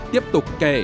tiếp tục kể